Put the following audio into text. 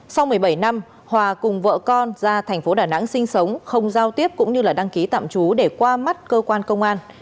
sau một mươi bảy năm hòa cùng vợ con ra thành phố đà nẵng sinh sống không giao tiếp cũng như là đăng ký tạm trú để qua mắt cơ quan công an